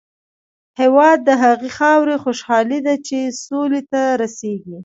هېواد د هغې خاورې خوشحالي ده چې سولې ته رسېږي.